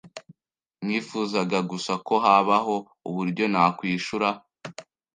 Nifuzaga gusa ko habaho uburyo nakwishura.